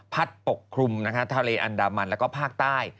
ปกคลุมนะคะทะเลอันดามันแล้วก็ภาคใต้